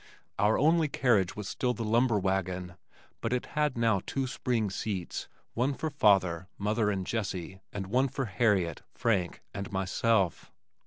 Our only carriage was still the lumber wagon but it had now two spring seats, one for father, mother and Jessie, and one for Harriet, Frank and myself.